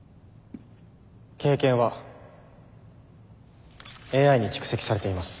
経験はＡＩに蓄積されています。